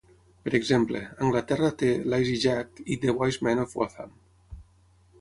Per exemple, Anglaterra té "Lazy Jack" i "The Wise Men Of Gotham".